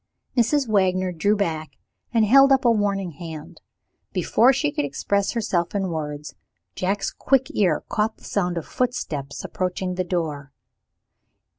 Mrs. Wagner drew back, and held up a warning hand. Before she could express herself in words, Jack's quick ear caught the sound of footsteps approaching the door.